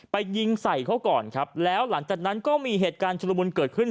ยิงใส่เขาก่อนครับแล้วหลังจากนั้นก็มีเหตุการณ์ชุลมุนเกิดขึ้น